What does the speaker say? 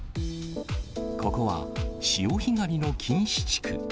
ここは潮干狩りの禁止地区。